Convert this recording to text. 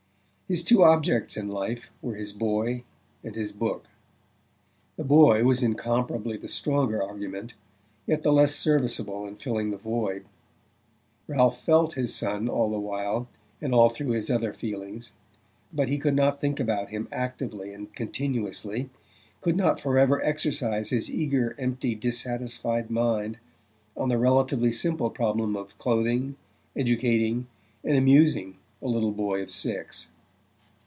His two objects in life were his boy and his book. The boy was incomparably the stronger argument, yet the less serviceable in filling the void. Ralph felt his son all the while, and all through his other feelings; but he could not think about him actively and continuously, could not forever exercise his eager empty dissatisfied mind on the relatively simple problem of clothing, educating and amusing a little boy of six.